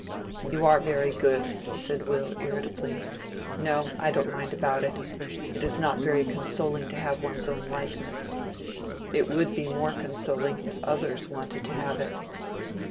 "You are very good," said Will, irritably. "No; I don't mind about it. It is not very consoling to have one's own likeness. It would be more consoling if others wanted to have it."